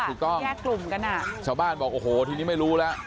แยกกลุ่มกันอ่ะชาวบ้านบอกโอ้โหทีนี้ไม่รู้แล้ว